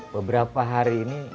beberapa hari ini